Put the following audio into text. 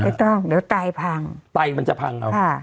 ไม่ต้องเดี๋ยวไต้พัง